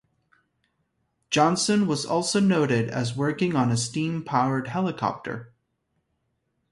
Johnson was also noted as working on a steam-powered helicopter.